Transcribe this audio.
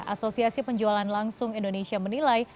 asosiasi penjualan langsung indonesia menilai